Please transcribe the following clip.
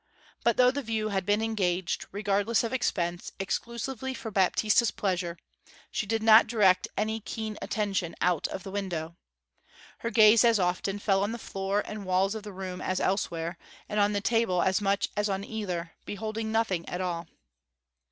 But though the view had been engaged, regardless of expense, exclusively for Baptista's pleasure, she did not direct any keen attention out of the window. Her gaze as often fell on the floor and walls of the room as elsewhere, and on the table as much as on either, beholding nothing at all.